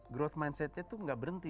growth mindsetnya itu nggak berhenti